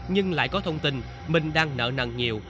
nhưng lại có thông tin mình đang nợ nần nhiều